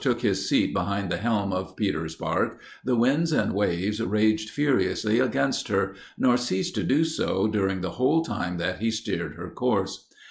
took his seat behind the helm of Peter's bark, the winds and waves raged furiously against her, nor ceased to do so, during the whole time that he steered her course.